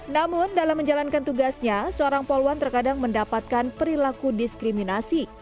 namun dalam menjalankan tugasnya seorang poluan terkadang mendapatkan perilaku diskriminasi